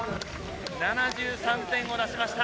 ７３点を出しました。